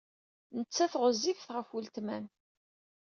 Nettat ɣezzifet ɣef weltma-m.